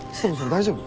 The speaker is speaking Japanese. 大丈夫？